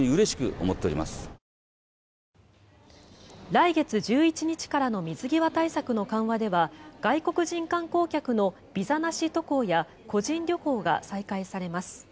来月１１日からの水際対策の緩和では外国人観光客のビザなし渡航や個人旅行が再開されます。